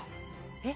えっ？